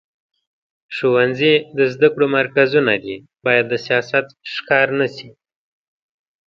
ښوونځي د زده کړو مرکزونه دي، باید د سیاست ښکار نه شي.